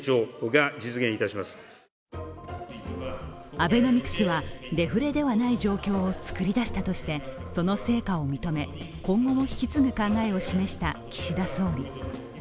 アベノミクスはデフレではない状況を作り出したとしてその成果を認め、今後も引き継ぐ考えを示した岸田総理。